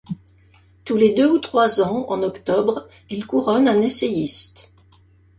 Tous les deux ou trois ans, en octobre, il couronne un essayiste.